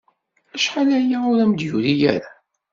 Acḥal aya ur am-d-yuri ara.